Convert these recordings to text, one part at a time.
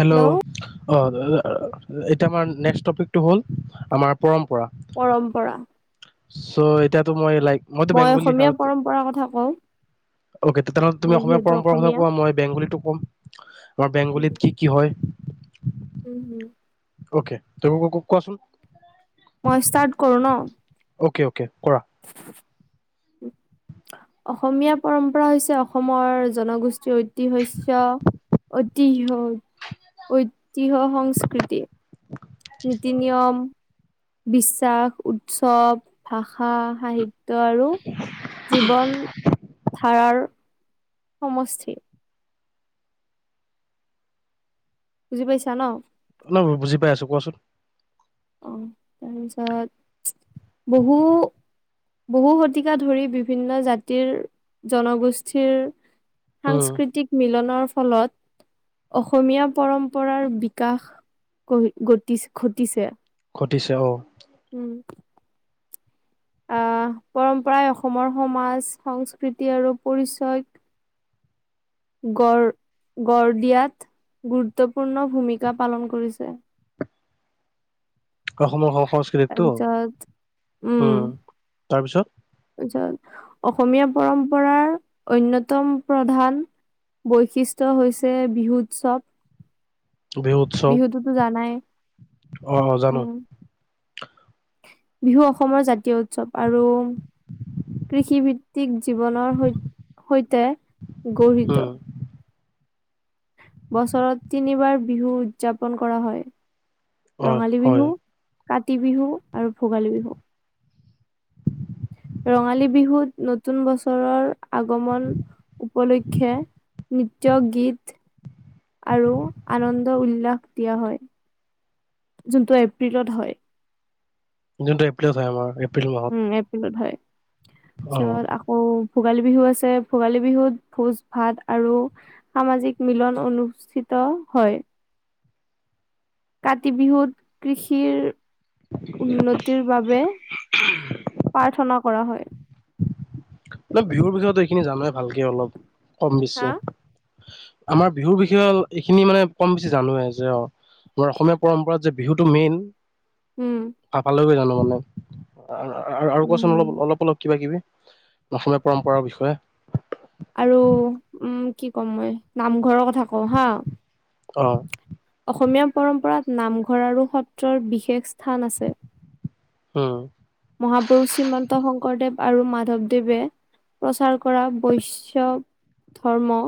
Hello অ এতিয়া আমাৰ নেক্স টপিকটো হ'ল আমাৰ পৰম্পৰা। পৰম্পৰা। চ'এতিয়াতো মই লাইক মইতো মই বেংগলী অসমীয়া সাৰুটো পৰম্পৰাৰ কথা কওঁ অকে তে তেনেহ'লে তুমি মই অসমীয়া যিহেতু পৰম্পৰা কথা অসমীয়া কোৱা মই বেংগলীতো কম। আমাৰ বেংগলীত কি কি হয়। উম হম অকে তই ক কোৱাচোন। মই ষ্টাৰ্ট কৰোঁ ন? অ'কে অ'কে কৰা। [unintelligible] অসমীয়া পৰম্পৰা হৈছে অসমৰ জনগোষ্ ষ্ঠী ঐতিহশ্য ঐতিহ্য সংস্কৃতিৰ নীতি-নিয়ম, বিশ্বাস, উৎসৱ, ভাষা, সাহিত ত্য আৰু জীৱন ধাৰাৰ সমষ্টি। বুজি পাইছা ন। ন বুজি পাই আছোঁ কোৱাচোন। অ' তাৰপিছত বহু বহু শতিকা ধৰি বিভিন্ন জাতিৰ, জনগোষ্ঠীৰ উম সাংস্কৃতিক মিলনৰ ফলত অসমীয়া পৰম্পৰাৰ বিকাশ ঘ ঘটিছে। ঘটিছে অঁ। উম অ' পৰম্পৰাই অসমৰ সমাজ-সংস্কৃতি আৰু পৰিচয় গড় গড় দিয়াত গুৰুত্বপূৰ্ণ ভূমিকা পালন কৰিছে। অসমৰ স সংস্কৃতিক টো তাৰপিছত উম তাৰপিছত অসমীয়া পৰম্পৰ অন্যতম প্ৰধান- বৈশিষ্ট্য হৈছে বিহু উৎসৱ। বিহু উৎসৱ বিহুতোতো জানাই অ অ জানো উম',। বিহু অসমৰ জাতীয় উৎসৱ আৰু, কৃষিৰ কৃষি জীৱনৰ সৈ- সৈতে উম গড়িত। বছৰত তিনিবাৰ বিহু উদযাপন কৰা হয়, হয় ৰঙালী হয় বিহু কাতি বিহু আৰু ভোগালী বিহু। ৰঙালী বিহুত নতুন বছৰৰ আগমন উপলক্ষে নৃত্য, গীত আৰু আনন্দ উল্লাস দিয়া হয়। যোনটো এপ্ৰিলত হয়। জুনটো এপ্ৰিলত আমাৰ এপ্ৰিল মাহত উম', এপ্ৰিলত হয়। অ পিছত অ', ভোগালী বিহু আছে ভোগালী বিহুত ভোজ ভাত আৰু সামাজিক মিলন অনুষ্ঠিত হয়। কাতি বিহুত কৃষিৰ উন্নতিৰ বাবে প্ৰাৰ্থনা কৰা হয়। ন' বিহুৰ পিছত এইখিনি জানাই ভালকে অলপ, কম হা? বেছি আমাৰ বিহুৰ বিষয়ে এইখিনি মানে কম বেছি জানোৱেই যে অ'। অসমীয়া পৰম্পৰাত যে বিহুটো মেইন। উম',। ভ' পালৈ গৈ জানো মানে, আৰু কোৱাচোন উম। অলপ অলপ অলপ কিবা কিবি? অসমমীয়া পৰম্পাৰ বিষয়ে আৰু উম' কি কম মই নামঘৰৰ কথা কওঁ হা। অ',। অসমীয়া পৰম্পৰাত নামঘৰ আৰু সত্ৰৰ বিশেষ স্থান আছে। উম',। মহাপুৰুষ শ্ৰীমন্ত শংকৰদেৱ আৰু মাধৱদেৱে প্ৰচাৰ কৰা বৈশব ধৰ্ম।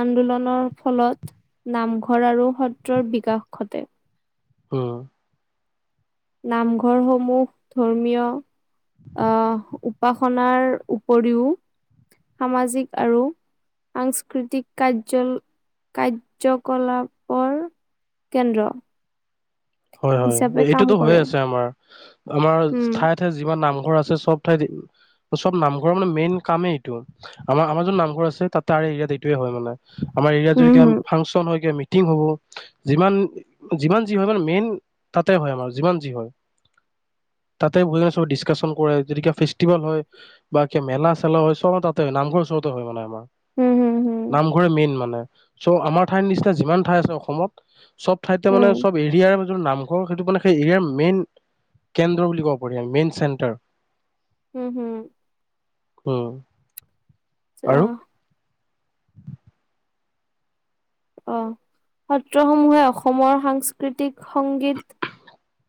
আন্দোলনৰ ফলত নামঘৰ আৰু সত্ৰৰ বিকাশ ঘটে। উম',। নামঘৰসমূহ ধৰ্মীয় অ' উপাসনাৰ উপৰিও সামাজিক আৰু সাংস্কৃতিক কাৰ্য- কাৰ্যকলাপৰ কেন্দ্ৰ। হয়', হয়', হিচাপে কাম এইটোতো হৈ কৰে। আছে আমাৰ, আমাৰ উম, ঠাই যিমান নামঘৰ আছে সব ঠাইত চব নামঘৰৰ মানে মেইন কামেই এইটো, আমাৰ আমাৰ যোন নামঘৰ আছে তাতে আৰু এইটোয়ে হয় মানে। আমাৰ এৰিয়াত যদি উম, কিব হম, ফাংচন হয় কিব মিটিং হ'ব, যিমান যিমান যি হয় মেইন তাতে হয় আমাৰ যিমান যি হয়। তাতে বুজে চবে ডিশকাচন কৰে, যদি ফেষ্টিভেল হয়। বা কে মেলা-চেলা হয় চব তাতে নামঘৰ ওচৰতে হয় মানে আমাৰ। হম, হম, হম, নামঘৰে মেইন মানে, চ' আমাৰ ঠাইৰ নিচিনা যিমান ঠাই আছে অসমত চব ঠাইতে মানে উম, চব এৰিয়াৰ নামঘৰ সেইটো মানে সেই এৰিয়াৰ মেইন কেন্দ্ৰ বুলি ক'ব পাৰি মেইন চেণ্টাৰ। উম', হুম',। উম' আৰু অ' অ সত্ৰসমূহে অসমৰ সাংস্কৃতিক সংগীত-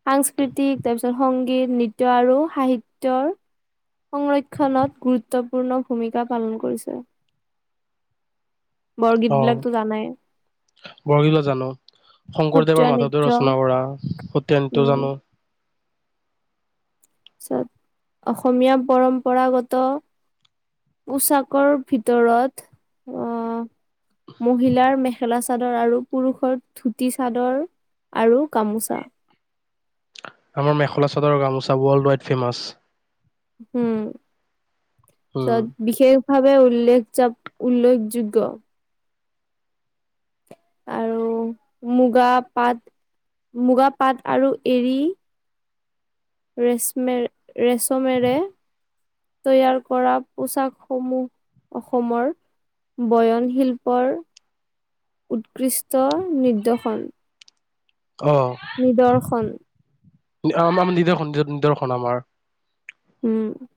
সাংস্কৃতিক তাৰপিছত সংগীত নৃত্য আৰু সাহিত্যৰ- সংৰক্ষণত গুৰুত্বপূৰ্ণ ভূমিকা পালন কৰিছে। বৰগীত বিলাকতো জানাই। বৰগিতৰ জানো। শংকৰদেৱৰ সত্ৰীয়া নৃত্য মাধদেৱে ৰচনা কৰা সত্ৰীয়া নৃত্য উম, জানো। পিছত অসমীয়া পৰম্পৰাগত- পোচাকৰ ভিতৰ, অ' মহিলাৰ মেখেলা চাদৰ আৰু- পুৰুষৰ ধুতি চাদৰ আৰু গামোচা। আমাৰ মেখলা চাদৰ গামোচা ৱৰ্ল্ড ৱাইড ফেমাচ। উম। উম য'ত- বিশেষভাৱে উল্লেখ যত উল্লেখযোগ্য। আৰু মুগা পাট, মুগা পাট আৰু এৰী- ৰেচমেৰ ৰেচমেৰে- তৈয়াৰ কৰা পোচাক সমূহ অসমৰ- বয়নশিল্পৰ উৎকৃষ্ট নিদৰ্শন। অ' নিদৰ্শন। আমাৰ নিদৰ্শন নিদৰ্শন আমাৰ। উম'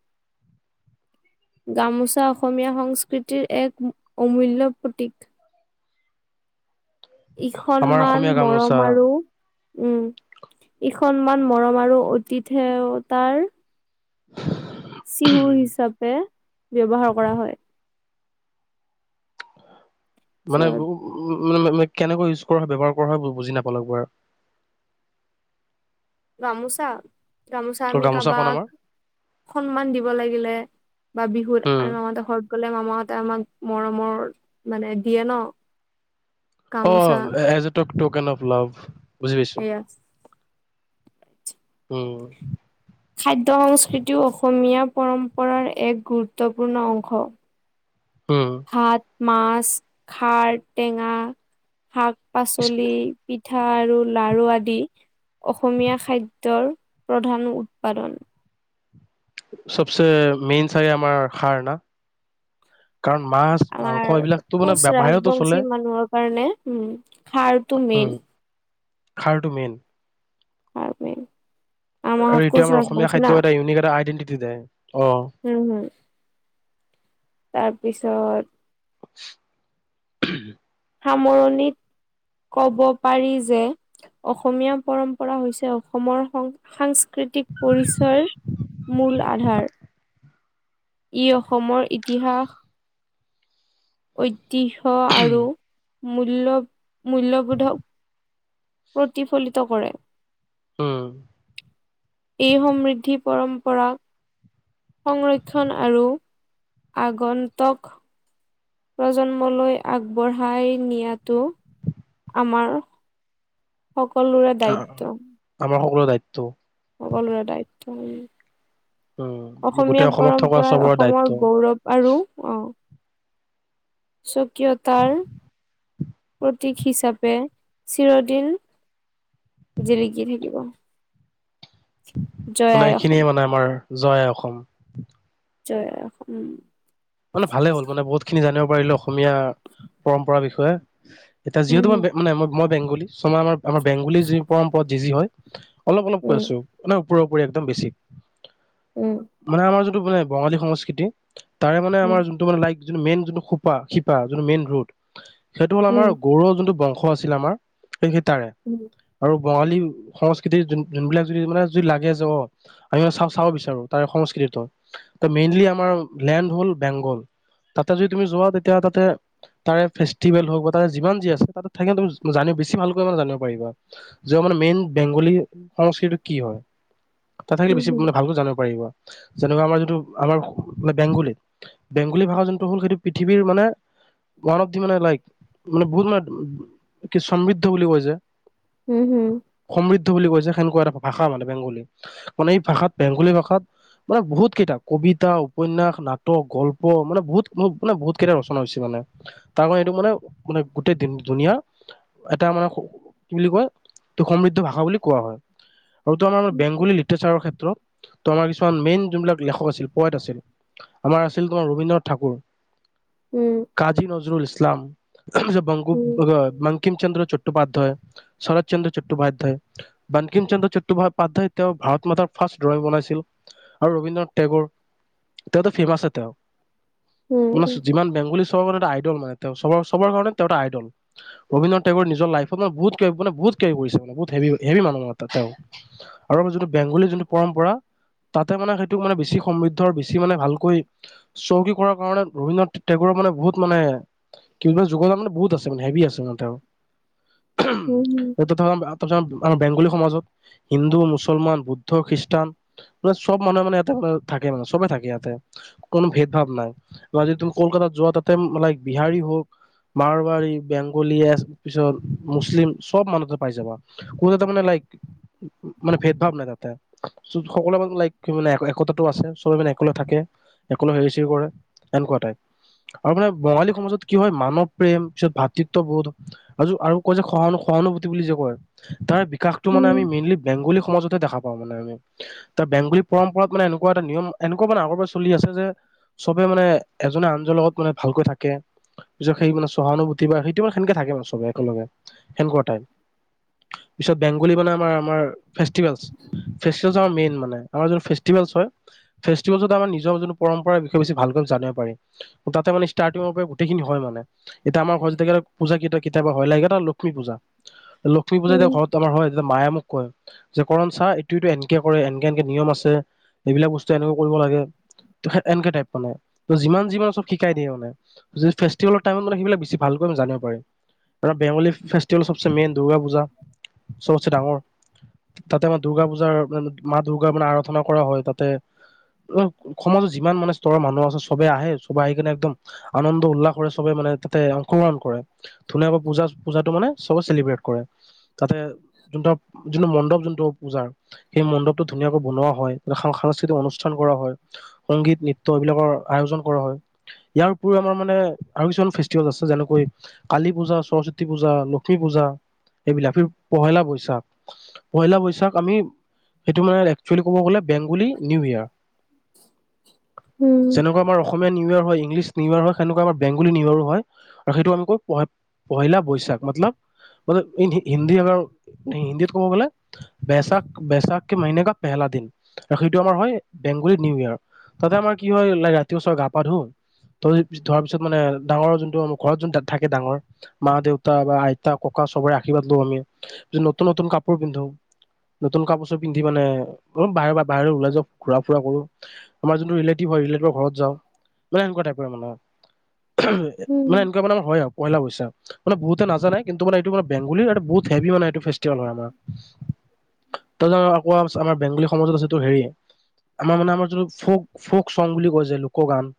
গামোচা অসমীয়া সংস্কৃতিৰ এক অমূল্য প্ৰতীক। আমাৰ ইখনমান অসমীয়া মৰম গামোচা আৰু- উম ইখনমান মৰম আৰু অতিথ সেৱতাৰ- [inaudible] চিহু হিচাপে ব্যৱহাৰ কৰা হয়। মানে পিছত উ মানে কেনেকৈ ইউজ কৰা হয় ব্যৱহাৰ কৰা হয়? বুজি নাপালোঁ একবাৰ। গামোচা গামোচা ত' আমি গামোচাখন কাবাক আমাৰ সন্মান দিব লাগিলে, বা বিহুত উম আমি মামাহঁতৰ ঘৰত গ'লে মামাহঁতে আমাক মৰমৰ মানে দিয়ে ন। অ gamosa as at token of love বুজি পাইছে? [inaudible] উম। খাদ্য সংস্কৃতিও অসমীয়া পৰম্পৰাৰ এক গুৰুত্বপূৰ্ণ অংশ। উম। ভাত, মাছ, খাৰ, টেঙা, শাক পাচলি, পিঠা আৰু লাৰু আদি অসমীয়া খাদ্যৰ প্ৰধান উৎপাদন। চবচে মেইন চাই আমাৰ খাৰ ন? কাৰণ মাছ- আমাৰ মাংস এইবিলাকতো মানে কোচ বাহিৰতো ৰাজবংশী চলে। মানুহৰ কাৰণে উম। খাৰটো মেইন উম খাৰটো মেইন। খাৰ মেইন। আমাৰ আৰু ঘৰত এইটো কোচ আমাৰ অসমীয়া ৰাজবংশী না খাদ্য এটা ইউনিক এটা আইডেন্টিটি দে। অ' উম হুম তাৰপিছত- [inaudible] সামৰণিত ক'ব পাৰি যে অসমীয়া পৰম্পৰা হৈছে অসমৰ সং সাস্ স্কৃতিক পৰিচয়ৰ মূল আধাৰ। ই অসমৰ ইতিহাস ঐতিহ্য আৰু মূল্য মূল্যবোধক প্ৰতিফলিত কৰে। উম এই সমৃদ্ধি পৰম্পৰা সংৰক্ষণ আৰু আগন্তক প্ৰজন্মলৈ আগবঢ়াই নিয়াতো আমাৰ সকলোৰে দায়িত্ব আমাৰ সকলোৱে দায়িত্ব সকলোৰে দায়িত্ব উম অসমীয়া গোটেই অসমত থকা পৰম্পৰা চবৰে দায়িত্ব অসমৰ গৌৰৱ। আৰু অ স্বকীয়তাৰ প্ৰতীক হিচাপে চিৰদিন জিলিকি থাকিব। জয় মানে আই অসম, এইখিনিয়ে মানে আমাৰ জয় আই অসম। জয় আই অসম। মানে ভালে হ'ল, মানে বহুত খিনি জানিব পাৰিলো অসমীয়া পৰম্পৰা বিষয়ে। এতিয়া উম যিহেতু মই হম। মানে মই বেংগলী চ' আমাৰ আমাৰ বেংগলী যি পৰম্পৰাত যি যি হয়। অলপ অলপ কৈ উম আছোঁ মানে ওপৰে ওপৰে একদম বেছি মানে আমাৰ যোনটো মানে বঙালী সংস্কৃতি তাৰে মানে উম আমাৰ যোনটো মানে, লাইক যোনটো মেইন যোনটো খোঁপা, শিপা যোনটো মেইন ৰোড। সেইটো হ'ল উম আমাৰ গৰুৱ যোনটো বংশ আছিল আমাৰ সেই তাৰে। উম আৰু বঙালী সংস্কৃতি যোন যোনবিলাক যদি মানে, যদি লাগে য আমি মানে চা চাব বিচাৰো তাৰে সংস্কৃতিটো ত মেইনলি আমাৰ লেণ্ড হল বেংগল। তাতে যদি তুমি যোৱা, তেতিয়া তাতে তাৰে ফেষ্টিভেল হওক, বা তাৰে যিমান যি আছে তাতে থাকিলে, তুমি জানি বেছি ভালকৈ মানে জানিব পাৰিবা। যে আমাৰ মেইন বেংগলী সংস্কৃতিটো কি হয় তাত থাকিলে উম বেছি উম মানে ভালকৈ জানিব পাৰিব। যেনেকুৱা আমাৰ যিটো আমাৰ মানে, বেংগলী বেংগলী ভাষা-যোনটো হল সেইটো পৃথিৱীৰ মানে ওৱান অফ দি মানে লাইক মানে, বহুত মানে কি সমৃদ্ধ বুলি কয় যে হম হম সমৃদ্ধ বুলি কয় য়ে, সেনকুৱা এটা ভাষা মানে বেংগলী। মানে এই ভাষাত, বেংগলী ভাষাত মানে বহুত কেইটা কবিতাও উপন্যাস, নাটক, গল্প মানে বহুত বহু মানে বহুত কেইটা ৰচনা হৈছে মানে। তাৰ কাৰণে এইটোক মানে মানে গোটেই দিন দুনীয়া এটা মানে কি বুলি কয়, এইটো সমৃদ্ধ ভাষা বুলি কোৱা হয়। আৰু টো আমাৰ বেংগলী লিটাৰচাৰৰ ক্ষেত্ৰত তো, আমাৰ কিছুমান মেইন যোনবিলাক লেখক আছিল, পয়েট আছিল। আমাৰ আছিল তোমাৰ ৰবীন্দ্ৰনাথ ঠাকুৰ, উম কাজী নজৰুল ইছলাম, বংগোপ, উম বংকিম চন্দ্ৰ চট্টোপাধ্যায়, শৰৎ চন্দ্ৰ চট্টোপাধ্যায়, বানংকিম চন্দ্ৰ চট্টোপাধ্যায়টো তেওঁ ভাৰত মাতাৰ ফাৰ্ষ্ট ড্ৰয়িং বনাইছিল আৰু ৰবীন্দ্ৰনাথ টেগুৰ। তেওঁতো ফেমাছ হয় তেওঁ উম মানে উম, যিমান বেংগলী চবকাৰণে এটা আইডল মানে তেওঁ চবৰ-চবৰ কাৰণে তেওঁ এটা আইডল। ৰবীন্দ্ৰনাথ টেগুৰ নিজৰ লাইফত মানে, বহুত কিবা-কিবি, মানে, বহুত কিবা-কিবি কৰিছে, মানে। বহুত হেভি, হেভি মানুহ ত' তেওঁ। আৰু আমাৰ যোনটো, বেংগলীৰ যোনটো পৰম্পৰা, তাতে মানে, সেইটোক মানে, বেছি সমৃদ্ধ আৰু বেছি বেছি মানে, ভালকৈ, চহকী কৰাৰ কাৰণে, ৰবীন্দ্ৰনাথ ঠেগুৰৰ মানে, বহুত মানে কিবা বুলি কয়, [unintelligible] মানে, বহুত আছে মানে, হেভি আছে মানে, তেওঁ। উম, সেইটোত [unintelligible] আমাৰ বেংগলী সমাজত, হিন্দু, মুছলমান, বুদ্ধ, খ্ৰীষ্টান মানে, চব মানুহে মানে, ইয়াতে থাকে মানে, চবে থাকে ইয়াতে। অকনো ভেদ-ভাৱ নাই, বা আজি তুমি, কলকাতাত যোৱা তাতে, লাইক বিহাৰী হওঁক, মাৰোৱাৰী, বেংগলীয়ে, পিছত মুছলিম, চব মানুহ তাতে পাই যাবা। কোনো এটা মানে, লাইক মান, ভেদ-ভাৱ নাই তাতে। সকলোৱে, মানে লাইক, মানে, একতাটো আছে। চব মানে, অকলে থাকে, একলে সেৰি-চেৰি কৰে, এনকুৱা টাইপ। আৰু মানে, বঙালী সমাজত কি হয়! মানৱ প্ৰেম, পিছত ভাতৃত্ববোধ। আৰু, আৰু কয় যে, সহ-সহানুভূতি বুলি যে কয়, তাৰ বিকাশ। এইটো মানে, আমি উম, মেইনলি বেংগলী সমাজতহে দেখা পাওঁ। [unintelligible] বংগলী পৰম্পৰাত মানে, এনেকুৱা এটা নিয়ম এনেকুৱা মানে, আগৰ পৰা চলি আছে যে, চবে মানে, এজনে-আনজনৰ লগত মানে, ভালকৈ থাকে। পিছত সেই মানে, সহানুভূতি বা সেইটো বা সেনকে থাকে মানে, চবে একেলগে, সেনকুৱা টাইপ। পিছত, বেংগলী মানে, আমাৰ-আমাৰ ফেষ্টিভেলছ। ফেষ্টিভেলছ আমাৰ মেইন মানে। আমাৰ য'ত ফেষ্টিভেলছ হয়। ফেষ্টিভেলছত, আমাৰ নিজৰ যোনটো পৰম্পৰা, বিষয়ে বেছি ভালকৈ জানিব পাৰি। তাতে মানে, ষ্টাৰ্টিঙৰ পৰা গোটেইখিনি হয়, মানে। এতিয়া আমাৰ, [unintelligible] পূজা কেইটা, কেতিয়াবা হয়, লাগে [unintelligible] লক্ষ্মী পূজা। লক্ষ্মী পূজা যে উম, ঘৰত আমাৰ হয়, তেতিয়া মায়ে মাক, কয়! যে, [unintelligible] চা এইটো-এইটো এনকে কৰে, এনকে-এনকে নিয়ম আছে। এইবিলাক ব স্তু এনেকে কৰিব লাগে, এনেকে টাইপ মানে। ত' যিমান-যিমান চব শিকাই দিয়ে, মানে। ফেষ্টিভেলৰ টাইমত মানে, সিবিলাক বেছি ভালকৈ জানিব পাৰি। আৰু বেংগলী ফে ফেষ্টিভেল চবচে মেইন দুৰ্গা পূজা, চবতচে ডাঙৰ! তাতে, আমাৰ দুৰ্গা পূজাৰ [unintelligible] মাত দূৰ্গা মানে, আৰাধনা কৰা হয়, তাতে। অ' সমাজত যিমান মানে, স্তৰৰ মানুহ আছে, চবে আহে, চবে আহি কিনে, একদম আনন্দ-উল্লাস কৰে, চবে মানে, তাতে অংশগ্ৰহণ কৰে। ধুনীয়াকে পূজা, পূজাটো মানে, চবে চেলিব্ৰেট কৰে। তাতে, যোনটো, যোনটো মণ্ডপ যোনটো পূজাৰ, সেই মণ্ডপটো ধুনীয়াকৈ বনোৱা হয়। [unintelligible] সেইটো অনুষ্ঠান কৰা হয়। সংগীত, নৃত্য, এইবিলাকৰ আয়োজন কৰা হয়। ইয়াৰ উপৰিও, আমাৰ মানে, আৰু কিছুমান ফেষ্টিভেল আছে, যেনেকৈ কালী পূজা, সৰস্বতী পূজা, লক্ষ্মী পূজা, এইবিলাক। পহেলা বৈশাখ পহিলা বৈশাখ, আমি, সেইটো মানে, একচোৱেলি ক'ব গ'লে, বেংগলী নিউ ইয়ৰ। উম, [inaudible] যেনেকুৱা আমাৰ অসমীয়া নিউ ইয়ৰ হয়, ইংলিছ নিউ ইয়ৰ হয়, সেনেকুৱা আমাৰ বংগলী নিউ ইয়ৰো হয়। আৰু সেইটো আমি কওঁ, প, পহিলা বৈশাখ। মতলব মানে, হিন্দী আামাৰ, হিন্দীত ক'ব গ'লে, বৈশাখ, বৈশাখকে মাহিনে কা পেহেলা দিন। সেইটো আমাৰ হয়, বেংগলীৰ নিউ ইয়ৰ। তাতে, আমাৰ কি হয়, [unintelligible] ৰাতি ওচৰ গা-পা ধোঁ। তাৰপিছত, ধৰা পিছত মানে, ডাঙৰ যোনটো, ঘৰত যোন তাত থাকে, ডাঙৰ। মা-দেউতা বা আইতা-ককা চবৰে, আশীৰ্বাদ ল'বলে। [unintelligible] নতুন- নতুন কাপোৰ পিন্ধো। নতুন কাপোৰ-চোপোৰ পিন্ধি মানে, অলপ বাহিৰ পা, বাহিৰলৈ ওলাই যাওঁ, ঘূৰা-ফুৰা কৰোঁ। আমাৰ যোনটো ৰিলেটিভ হয়, ৰিলেটিভৰ ঘৰত যাওঁ মানে তেনেকুৱা টাইপৰ মানে। উহুম এ উম, মানে এনেকুৱা মান হয় আৰু পহিলা পইচা। মানে বহুতে নাজানে কিন্তু মানে এইটো মানে বেংগলীৰ এইটো বহুত হেভি মানে এইটো ফেষ্টিভেল হয় আমাৰ। তই ধৰ আকৌ আমাৰ বেংগলী সমাজত আছে টো হেৰি আমাৰ মানে আমাৰ যোনটো ফক চং বুলি কয় যে লোক গান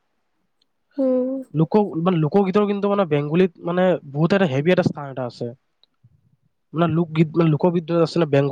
উম। লোক বা ল কগীতৰ কিন্তু মানে বেংগলীত মানে বহুত এটা হেভি এটা স্থান এটা আছে। বোলা লোকগীত নে লোকবিদত আছেনে বেংগ